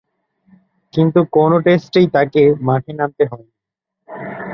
কিন্তু কোন টেস্টেই তাকে মাঠে নামতে হয়নি।